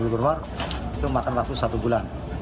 dua puluh germor itu makan waktu satu bulan